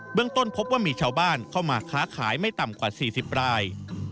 เรื่องต้นพบว่ามีชาวบ้านเข้ามาค้าขายไม่ต่ำกว่า๔๐ราย